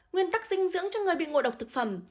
nguyên tắc dinh dưỡng cho người bị ngộ độc thực phẩm